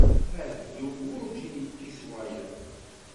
Ahdum werǧin yekkis wayeḍ.